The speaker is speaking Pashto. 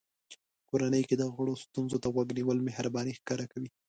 کورنۍ کې د غړو ستونزو ته غوږ نیول مهرباني ښکاره کوي.